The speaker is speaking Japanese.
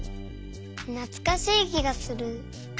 なつかしいきがする。